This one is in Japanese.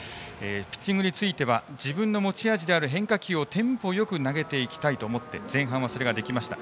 ピッチングについては自分の持ち味である変化球をテンポよく投げていきたいと思い前半はそれができました。